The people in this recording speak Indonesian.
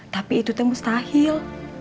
tapi itu teh mustahil